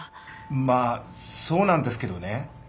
まあそうなんですけどね。